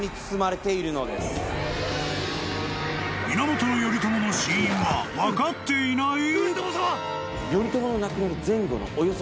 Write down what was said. ［源頼朝の死因は分かっていない！？］